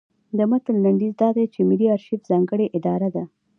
د متن لنډیز دا دی چې ملي ارشیف ځانګړې اداره ده.